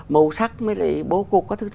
màu sắc mới là bố cục